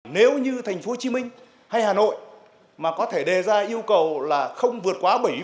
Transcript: nếu như thành phố hồ chí minh hay hà nội mà có thể đề ra yêu cầu là không vượt quá bảy mươi